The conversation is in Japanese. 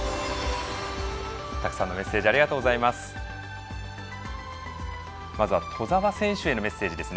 たくさんのメッセージありがとうございます。